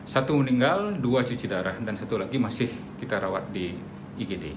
satu meninggal dua cuci darah dan satu lagi masih kita rawat di igd